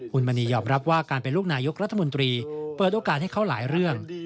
คุณมณียอมรับว่าการเป็นลูกนายกรัฐมนตรีเปิดโอกาสให้เขาหลายเรื่อง